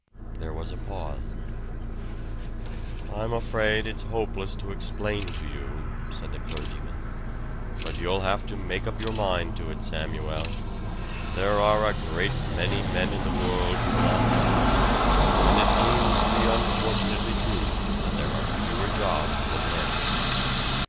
There was a pause. "I'm afraid it's hopeless to explain to you," said the clergyman. "But you'll have to make up your mind to it, Samuel there are a great many men in the world who want jobs, and it seems to be unfortunately true that there are fewer jobs than men."